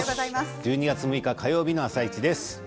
１２月６日火曜日の「あさイチ」です。